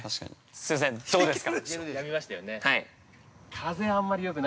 すいません、どうですか。